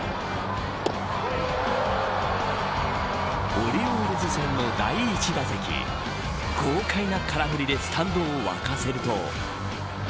オリオールズ戦の第１打席豪快な空振りでスタンドを沸かせると。